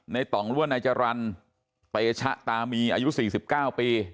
ในต่องรั่วนายจรรย์เปชะตามีอายุ๔๙ปี